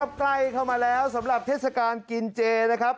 สัมภัฏธิบดีครับใกล้เข้ามาแล้วสำหรับเทศกาลกินเจนะครับ